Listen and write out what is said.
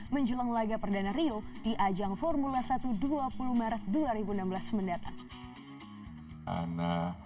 menjelang laga perdana rio di ajang formula satu dua puluh maret dua ribu enam belas mendatang